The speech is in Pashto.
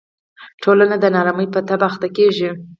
ټولنه د نا ارامۍ په تبه اخته کېږي.